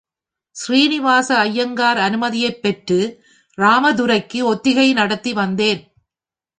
ஸ்ரீனிவாச ஐயங்கார் அனுமதியைப் பெற்று, ராமதுரைக்கு ஒத்திகை நடத்தி வந்தேன்.